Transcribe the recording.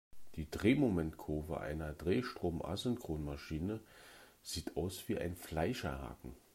Die Drehmomentkurve einer Drehstrom-Asynchronmaschine sieht aus wie ein Fleischerhaken.